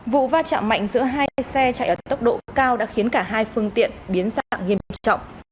vụ va chạm mạnh giữa hai xe chạy ở tốc độ cao đã khiến cả hai phương tiện biến dạng nghiêm trọng